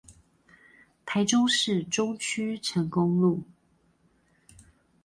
台中市中區成功路